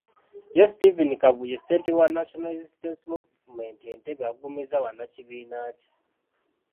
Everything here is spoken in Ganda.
Ye Stephen Kabuye, ssentebe wa National Resistance Movement e Ntebe agumizza bannakibiina kye.